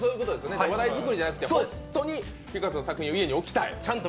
話題作りじゃなくて本当にピカソの絵を家に置きたいと。